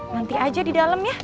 nanti aja di dalam ya